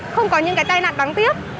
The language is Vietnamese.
không có những cái tai nạn bắn tiếp